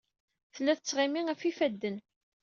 Tella tettɣimi ɣef yifadden.